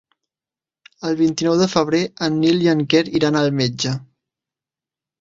El vint-i-nou de febrer en Nil i en Quer iran al metge.